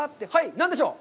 何でしょう？